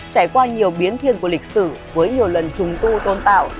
trải qua nhiều biến thiên của lịch sử với nhiều lần trùng tu tôn tạo